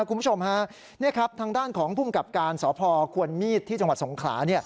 คุณผู้ชมฮะนี่ครับทางด้านของภูมิกับการสพควรมีดที่จังหวัดสงขลา